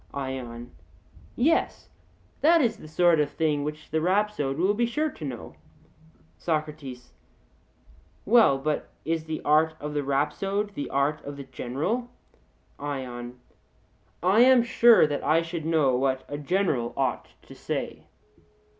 ION: Yes, that is the sort of thing which the rhapsode will be sure to know. SOCRATES: Well, but is the art of the rhapsode the art of the general? ION: I am sure that I should know what a general ought to say.